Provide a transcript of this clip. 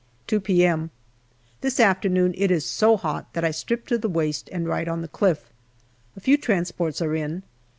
2 p.m. This afternoon it is so hot that I strip to the waist and write on the cliff. A few transports are in.